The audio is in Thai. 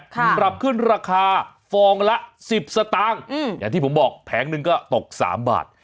ปรับขึ้นราคาฟองละสิบสตางค์อย่างที่ผมบอกแผงหนึ่งก็ตกสามบาท